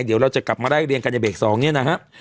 เดี๋ยวเราจะกลับมาได้เรียนการยาเบส๒เนี่ยนะฮะ